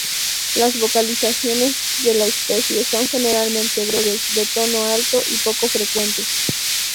Las vocalizaciones de la especie son generalmente breves, de tono alto y poco frecuentes.